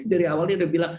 dari awalnya dia bilang